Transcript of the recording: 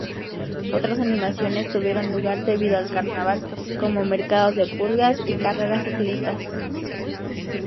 Otras animaciones tuvieron lugar debido al carnaval, como mercados de pulgas y carreras ciclistas.